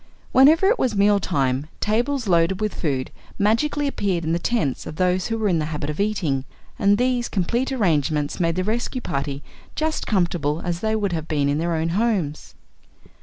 Whenever it was meal time, tables loaded with food magically appeared in the tents of those who were in the habit of eating, and these complete arrangements made the rescue party just comfortable as they would have been in their own homes.